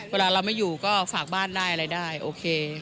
เวลาเราไม่อยู่ก็ฝากบ้านได้อะไรได้โอเค